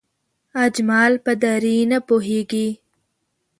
اجمل په دری نه پوهېږي